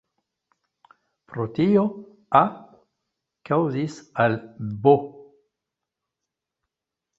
Pro tio, "A" kaŭzis al "B.